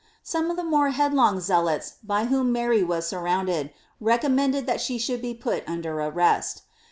Some of tlie more headlong zealots, by whom Mary was surrounded, recommended that she should be put under arrest.'